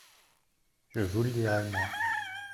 Je vous le dirai, moi.